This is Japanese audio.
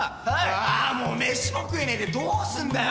あもう飯も食えねえでどうすんだよ。